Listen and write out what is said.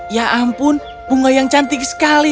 ya ampun bunga yang cantik sekali